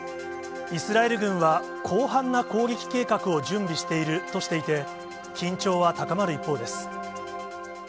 イスラエル軍は、広範な攻撃計画を準備しているとしていて、緊張は高まる一方です。